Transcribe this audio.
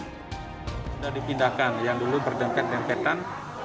sudah dipindahkan yang dulu berdempet dempetan